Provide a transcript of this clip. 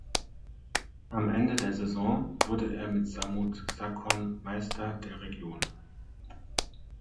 Am Ende der Saison wurde er mit Samut Sakhon Meister der Region.